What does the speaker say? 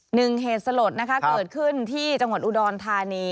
เหตุสลดนะคะเกิดขึ้นที่จังหวัดอุดรธานี